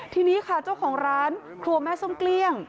ทีนี้ค่ะเจ้าของร้านครัวแม่ส้มเกลี้ยง